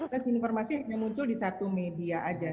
jadi informasi muncul di satu media aja